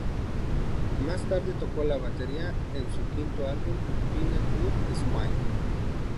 Más tarde tocó la batería en su quinto álbum Pinewood Smile.